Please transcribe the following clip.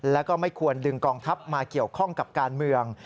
และก็ไม่ควรดึงกองทัพมาเกี่ยวข้องกับการเมือง